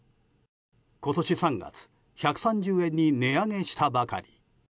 今年３月１３０円に値上げしたばかり。